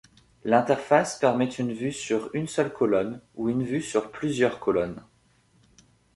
L'interface permet une vue sur une seule colonne ou une vue sur plusieurs colonnes.